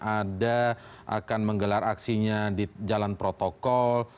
ada akan menggelar aksinya di jalan protokol